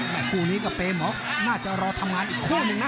แม่คู่นี้กับเบหมอคงน่าจะรอทำงานอีกคู่หนึ่งนะ